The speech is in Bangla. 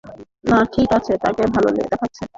না - ঠিক আছে তাকে ভালো দেখাচ্ছে?